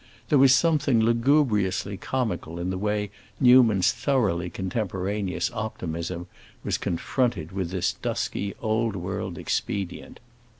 There was something lugubriously comical in the way Newman's thoroughly contemporaneous optimism was confronted with this dusky old world expedient.